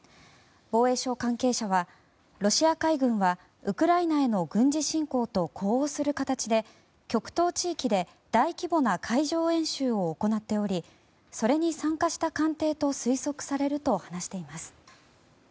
防衛省関係者はロシア海軍はウクライナへの軍事侵攻と呼応する形で極東地域で大規模な海上演習を行っておりそれに参加した艦艇と推測されると話しています。